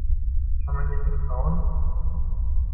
Kann man ihr vertrauen?